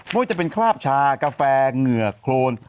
ว่าจะเป็นคราบชากาแฟเหงื่อโครน